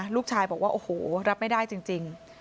ลูกชายบอกว่าโอ้โหรับไม่ได้จริง